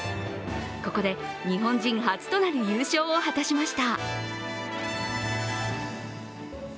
ここで日本人初となる優勝を果たしました。